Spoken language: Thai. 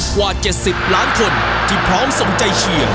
กว่า๗๐ล้านคนที่พร้อมส่งใจเชียร์